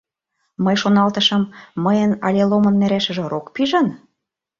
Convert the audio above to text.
Мый шоналтышым: мыйын але Ломын нерешыже рок пижын?